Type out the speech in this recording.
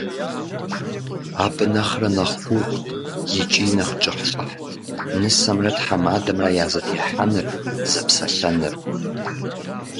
Абы нэхърэ нэхъ гугъут икӏи нэхъ кӏыхьлӏыхьт нысэмрэ тхьэмадэмрэ я зэтехьэныр, зэпсэлъэныр.